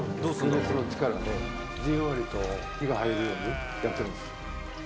余熱の力でじんわりと火が入るようにやってます。